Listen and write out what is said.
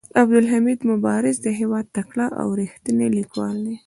عبدالحمید مبارز د هيواد تکړه او ريښتيني ليکوال دي.